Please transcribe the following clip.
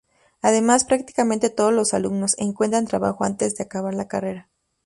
Además, prácticamente todos los alumnos encuentran trabajo antes de acabar la carrera.